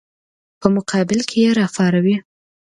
په مقابل کې یې راپاروي.